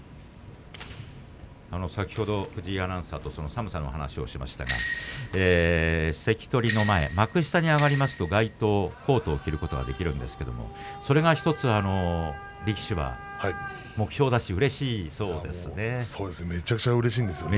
先ほど藤井アナウンサーと寒さの話をしましたが関取の前、幕下に上がりますと外とうコートを着ることができますがそれが１つ力士は目標だしうれしいということですね。